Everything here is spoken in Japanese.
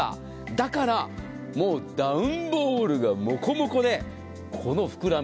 だからもうダウンボールがモコモコでこの膨らみ。